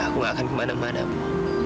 aku gak akan kemana mana bu